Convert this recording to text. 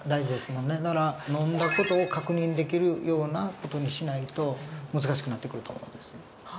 だから飲んだ事を確認できるような事にしないと難しくなってくると思うんです。